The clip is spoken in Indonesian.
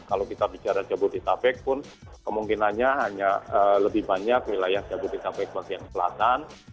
kalau kita bicara jabodetabek pun kemungkinannya hanya lebih banyak wilayah jabodetabek bagian selatan